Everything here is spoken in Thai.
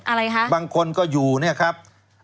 อะไรครับบางคนก็อยู่นะครับ